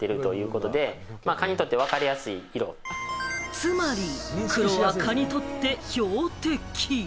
つまり黒は蚊にとって標的。